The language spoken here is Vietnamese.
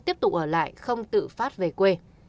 tiếp tục ở lại không tự phát về quê